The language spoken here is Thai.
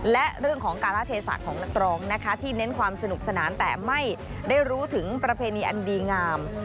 และเรื่องของการละเทศะของนักร้องนะคะที่เน้นความสนุกสนานแต่ไม่ได้รู้ถึงประเพณีอันดีงาม